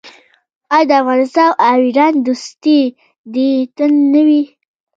آیا د افغانستان او ایران دوستي دې تل نه وي؟